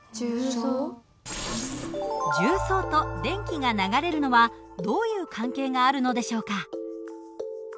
重曹と電気が流れるのはどういう関係があるのでしょうか？